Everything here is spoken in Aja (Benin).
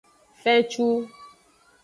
Fencu.